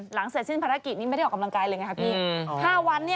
หลังเสร็จสิ้นภารกิจนี้ไม่ได้ออกกำลังกายเลยไงครับพี่๕วัน